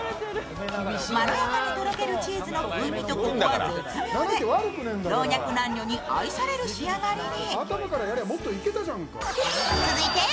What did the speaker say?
まろやかにとろけるチーズの風味とこくは絶妙で老若男女に愛される仕上がりに。